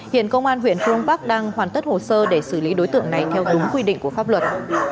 hiện công an huyện phương bắc đang hoàn tất hồ sơ để xử lý đối tượng này theo đúng quy định của pháp luật